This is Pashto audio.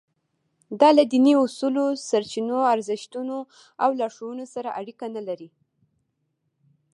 دا له دیني اصولو، سرچینو، ارزښتونو او لارښوونو سره اړیکه نه لري.